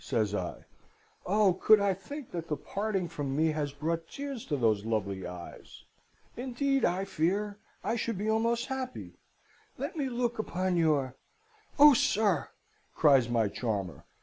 says I. 'Oh, could I think that the parting from me has brought tears to those lovely eyes! Indeed, I fear, I should be almost happy! Let them look upon your ' "'Oh, sir!' cries my charmer.